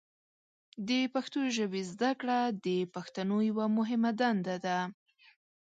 د پښتو ژبې زده کړه د پښتنو یوه مهمه دنده ده.